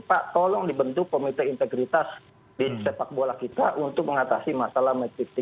pak tolong dibentuk komite integritas di sepak bola kita untuk mengatasi masalah